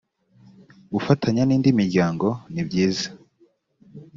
gufatanya n indi miryango nibyiza